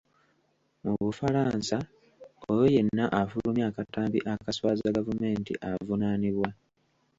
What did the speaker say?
Mu Bufalansa oyo yenna afulumya akatambi akaswaza gavumenti avunaanibwa.